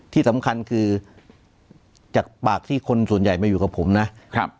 ที่สำคัญคือจากปากที่คนส่วนใหญ่มาอยู่กับผมนะครับ